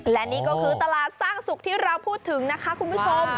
และนี่ก็คือตลาดสร้างสุขที่เราพูดถึงนะคะคุณผู้ชม